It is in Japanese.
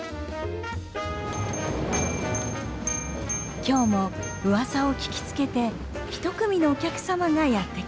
今日もうわさを聞きつけて一組のお客様がやって来ました。